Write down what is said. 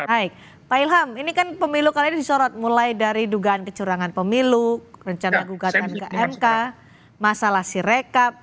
baik pak ilham ini kan pemilu kali ini disorot mulai dari dugaan kecurangan pemilu rencana gugatan ke mk masalah sirekap